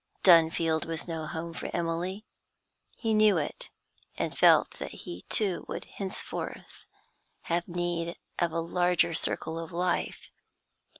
Dunfield was no home for Emily; he knew it, and felt that he, too, would henceforth have need of a larger circle of life.